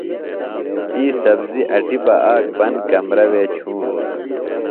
تی سبزیۡ اٹیۡ بہ آک بند کمرہ وے چُھوݨیۡ۔